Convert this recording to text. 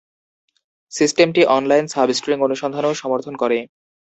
সিস্টেমটি online substring অনুসন্ধানও সমর্থন করে।